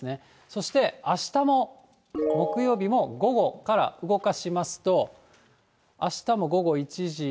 そしてあしたも木曜日も午後から動かしますと、あしたも午後１時、２時。